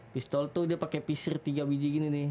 pistol itu dia pakai piser tiga biji gini nih